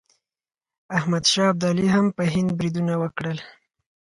احمد شاه ابدالي هم په هند بریدونه وکړل.